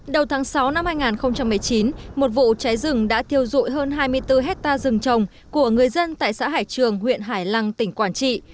đầu tháng sáu năm hai nghìn một mươi chín một vụ cháy rừng đã thiêu dụi hơn hai mươi bốn hectare rừng trồng của người dân tại xã hải trường huyện hải lăng tỉnh quảng trị